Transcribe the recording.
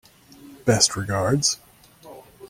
Best regards.